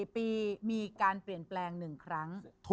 ๔ปีมีการเปลี่ยนแปลง๑ครั้ง